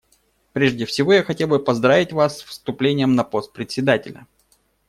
Прежде всего я хотел бы поздравить Вас с вступлением на пост Председателя.